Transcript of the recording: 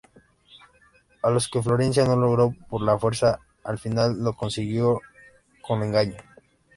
Lo que Florencia no logró por la fuerza, al final lo consiguió con engaño.